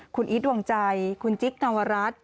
คุณอีทดวงใจคุณจิ๊กนวรัฐ